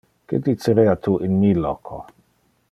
Que dicerea tu in mi loco?